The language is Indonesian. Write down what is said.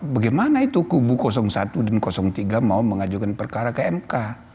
bagaimana itu kubu satu dan tiga mau mengajukan perkara ke mk